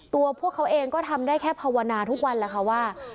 พวกเขาเองก็ทำได้แค่ภาวนาทุกวันแหละค่ะว่า